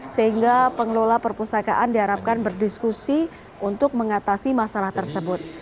sehingga pengelola perpustakaan diharapkan berdiskusi untuk mengatasi masalah tersebut